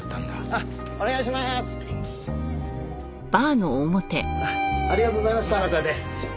ありがとうございます。